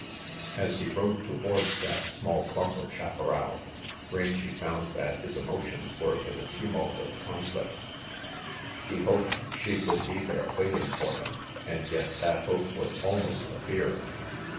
As he rode towards that small clump of chaparral, Rangy found that his emotions were in a tumult of 157 13S RANGY PETE conflict. He hoped she would be there waiting him, and yet that hope was almost a fear.